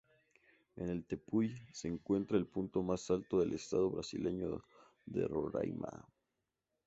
En el Tepuy se encuentra el punto más alto del estado brasileño de Roraima.